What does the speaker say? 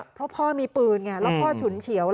เพราะพ่อมีปืนไงแล้วพ่อฉุนเฉียว